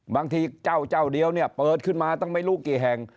บางทีเจ้าเจ้าเดียวเนี่ยเปิดขึ้นมาตั้งไม่รู้กี่แห่ง